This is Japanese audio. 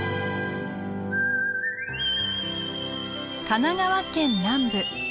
神奈川県南部。